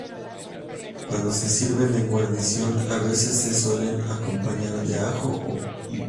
Cuando se sirven en guarnición a veces se suelen acompañar de ajo y perejil.